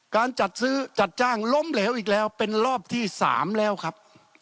การจัดซื้อจัดจ้างล้มเหลวอีกแล้วเป็นรอบที่๓แล้วครับ